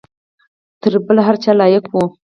تر بل هر چا لایق وو.